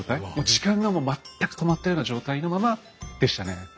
時間がもう全く止まったような状態のままでしたね。